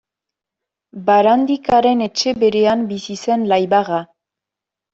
Barandikaren etxe berean bizi zen Laibarra.